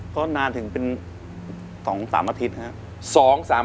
ก็นานถึงเป็น๒๓อาทิตย์นะครับ